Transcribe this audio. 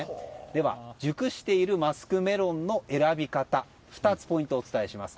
では、熟しているマスクメロンの選び方２つポイントをお伝えします。